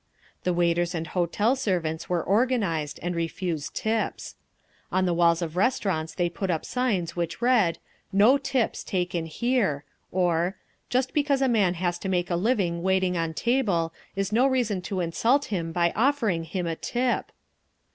The waiters and hotel servants were organised, and refused tips. On the walls of restaurants they put up signs which read, "No tips taken here—" or, "Just because a man has to make his living waiting on table is no reason to insult him by offering him a tip!"